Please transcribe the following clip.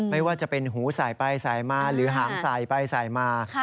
ไม่ว่าจะเป็นหูสายไปสายมาหรือหางสายไปสายมา